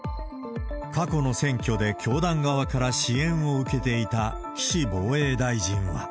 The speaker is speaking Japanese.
過去の選挙で教団側から支援を受けていた、岸防衛大臣は。